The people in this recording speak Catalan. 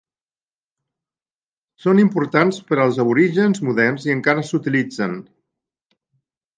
Són importants per als aborígens moderns i encara s'utilitzen.